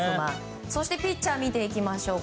そしてピッチャーを見ていきましょう。